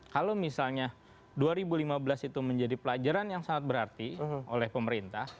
kalau misalnya dua ribu lima belas itu menjadi pelajaran yang sangat berarti oleh pemerintah